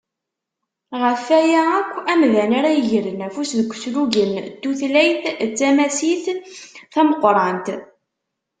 Γef waya akk, amdan ara yegren afus deg uslugen n tutlayt d tamasit tameqqrant.